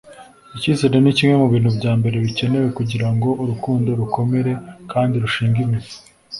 Icyizere ni kimwe mu bintu bya mbere bikenewe kugira ngo urukundo rukomere kandi rushinge imizi